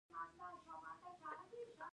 د ارچي دښته حاصلخیزه ده